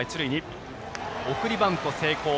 送りバント成功。